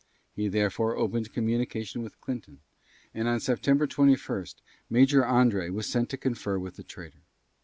He therefore opened communication with Clinton, and on September 21 Major André was sent to confer with the traitor.